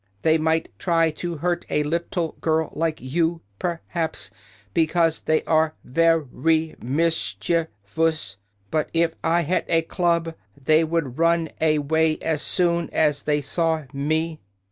They might try to hurt a lit tle girl like you, per haps, be cause they are ver y mis chiev ous. But if I had a club they would run a way as soon as they saw me."